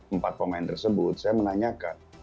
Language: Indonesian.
empat pemain tersebut saya menanyakan